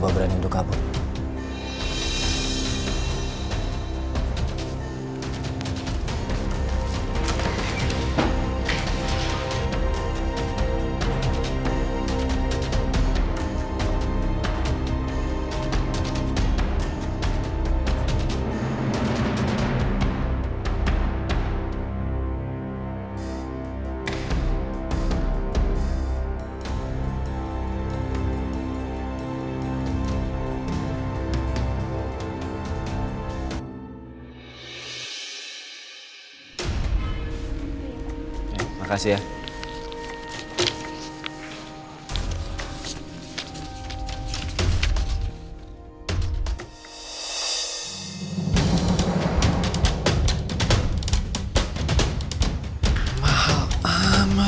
terima kasih ya